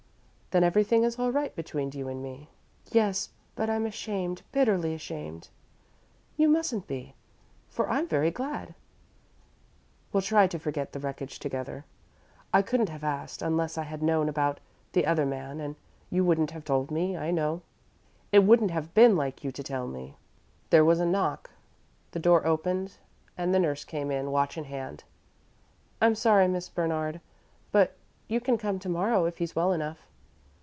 "Then everything is all right between you and me?" "Yes, but I'm ashamed bitterly ashamed." "You mustn't be, for I'm very glad. We'll try to forget the wreckage together. I couldn't have asked, unless I had known about the other man, and you wouldn't have told me, I know. It wouldn't have been like you to tell me." There was a knock, the door opened, and the nurse came in, watch in hand. "I'm sorry, Miss Bernard, but you can come to morrow if he's well enough."